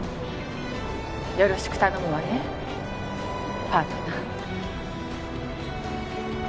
よろしく頼むわねパートナー。